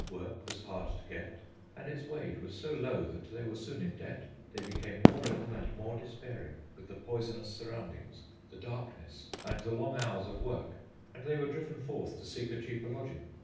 Work was hard to get, and its wage was so low that they were soon in debt. They became more ill and more despairing with the poisonous surroundings, the darkness, and the long hours of work; and they were driven forth to seek a cheaper lodging.